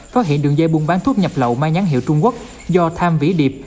phát hiện đường dây buôn bán thuốc nhập lậu mang nhãn hiệu trung quốc do tham vĩ điệp